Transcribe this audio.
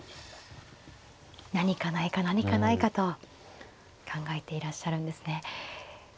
何かないか何かないかと考えていらっしゃるんですね。